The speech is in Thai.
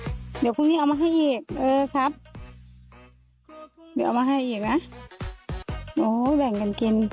อ่ะเดูกเครื่องนี้เอามาให้เอี๊ยกนะหรือครับเอามาให้นี้นะโอ้แบ่งกันกิน